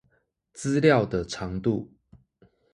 資料的長度